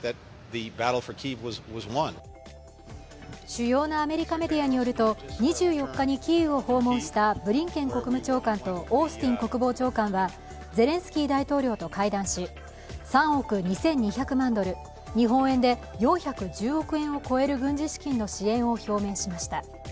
主要なアメリカメディアによると２４日にキーウを訪問したブリンケン国務長官とオースティン国防長官はゼレンスキー大統領と会談し３億２２００万ドル、日本円で４１０億円を超える軍事資金の支援を表明しました。